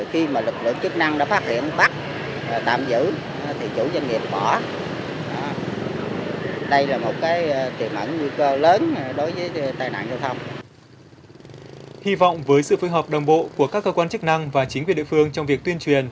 hy vọng với sự phối hợp đồng bộ của các cơ quan chức năng và chính quyền địa phương trong việc tuyên truyền